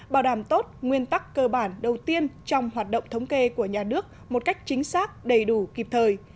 bảo đảm tốt nguyên tắc cơ bản đầu tiên trong hoạt động thống kê của nhà nước một cách chính xác đầy đủ kịp thời